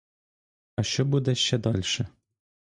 А що буде ще дальше?